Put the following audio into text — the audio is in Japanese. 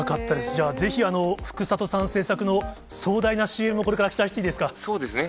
じゃあ、ぜひ福里さん制作の壮大なＣＭを、これから期待していいですか？